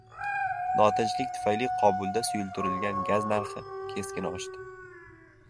Notinchlik tufayli Qobulda suyultirilgan gaz narxi keskin oshdi